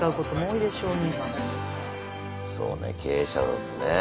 そうね経営者なんですね。